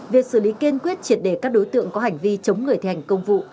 việc xử lý kiên quyết triệt đề các đối tượng có hành vi chống người thi hành công vụ